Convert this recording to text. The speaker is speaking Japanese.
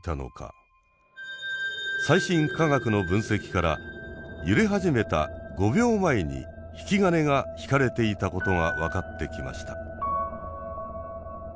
最新科学の分析から揺れ始めた５秒前に引き金が引かれていたことが分かってきました。